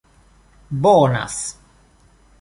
bonas